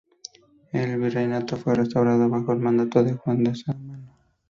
El virreinato fue restaurado bajo el mando de Juan de Sámano.